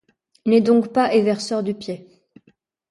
Il n’est donc pas éverseur du pied.